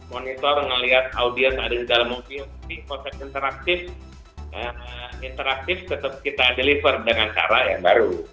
monitor melihat audiens ada di dalam mobil tapi konsep interaktif interaktif tetap kita deliver dengan cara yang baru